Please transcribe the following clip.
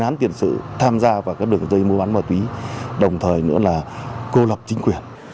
tiền án tiền sự tham gia vào các đối tượng mua bán ma túy đồng thời nữa là cô lập chính quyền